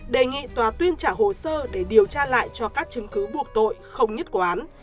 đề nghị tòa tuyên trả hồ sơ để điều tra lại cho các chứng cứ buộc tội không nhất quán